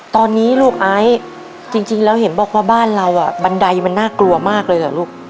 ตอนนี้ลูกไอซ์จริงแล้วเห็นบอกว่าบ้านเราอ่ะบันไดมันน่ากลัวมากเลยเหรอลูก